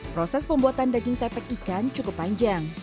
proses pembuatan daging tepek ikan cukup panjang